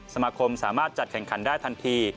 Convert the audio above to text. สมาคมสามารถจัดแข่งขันได้ทันที